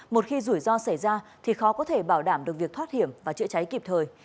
một khi rủi ro xảy ra thì khó có thể bảo đảm được việc thoát hiểm và chữa cháy kịp thời